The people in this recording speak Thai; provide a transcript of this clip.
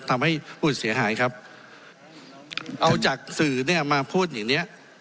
ทำให้ผู้เสียหายครับเอาจากสื่อเนี่ยมาพูดอย่างเนี้ย